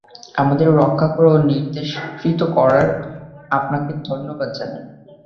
আমাদের রক্ষা করা এবং নির্দেশিত করায় আপনাকে ধন্যবাদ জানাই।